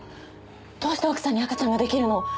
どうして奥さんに赤ちゃんが出来るの？